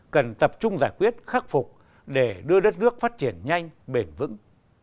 cần tập trung giải quyết khắc phục để đưa đất nước phát triển nhanh bền vững